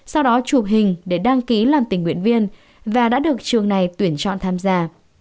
sau đó chụp hình để đăng ký làm tình nguyện viên và đã được trường này tuyển chọn tham gia